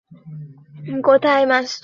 নয় মাস ধরে কোথায় ছিল?